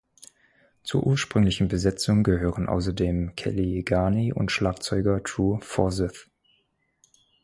Zur ursprünglichen Besetzung gehören außerdem Kelli Garni und Schlagzeuger Drew Forsyth.